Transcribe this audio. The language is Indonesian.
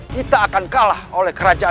kita akan kalah oleh kerajaan